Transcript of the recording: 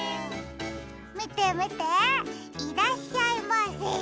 みてみていらっしゃいませ。